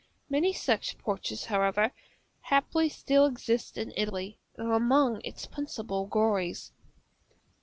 Many such porches, however, happily still exist in Italy, and are among its principal glories.